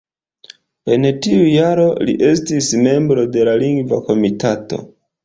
En tiu jaro li estis membro de la Lingva Komitato.